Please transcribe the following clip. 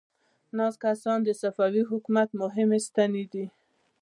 ناست کسان د صفوي حکومت مهمې ستنې دي.